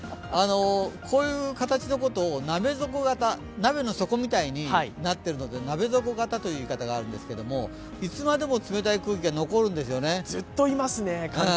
こういう形のことを鍋底型、鍋の底みたいになっているので鍋底型という言い方をするんですが、いつまでも冷たい空気が残るんですよね。